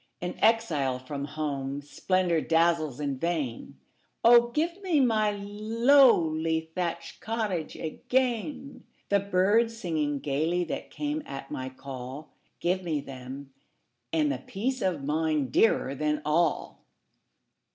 An exile from home, splendor dazzles in vain:O, give me my lowly thatched cottage again! The birds singing gayly that came at my call;—Give me them,—and the peace of mind dearer than all!